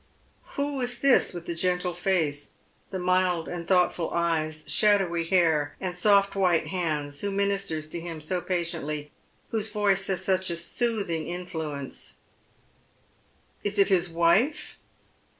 Who is this with the gentle face, the mild and thoughtful eyes, shadowy hair, and soft white hands,_ who ministers to him DO patiently, whose voice has such a soothing influence'^ d3<2 Dead Men^s Shoes. Is it his wife